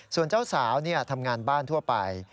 ส่วนเจ้าสาวทำงานบ้านทั่วไป